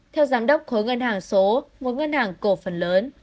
theo giám đốc khối ngân hàng số một ngân hàng cổ phần lớn